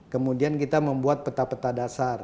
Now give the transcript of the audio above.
kemudian kita membuat peta peta dasar